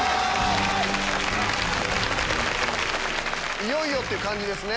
いよいよって感じですね。